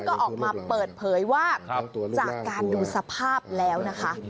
ก็ออกมาเปิดเผยว่าจากการดูสภาพแล้วนะคะ